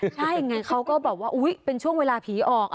ใช่ไงเขาก็แบบว่าอุ๊ยเป็นช่วงเวลาผีออก